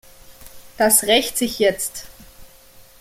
Das rächt sich jetzt!